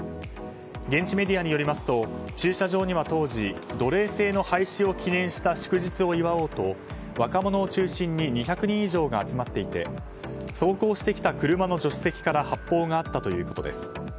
現地メディアによりますと駐車場には当時奴隷制の廃止を記念した祝日を祝おうと若者を中心に２００人以上が集まっていて走行してきた車の助手席から発砲があったということです。